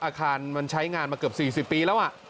อาคารมันใช้งานมาเกือบ๔๐ปีแล้ว